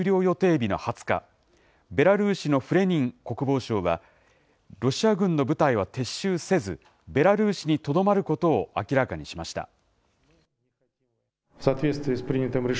予定日の２０日、ベラルーシのフレニン国防相は、ロシア軍の部隊は撤収せず、ベラルーシにとどまることを明らかにしました。